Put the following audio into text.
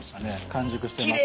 完熟してますね。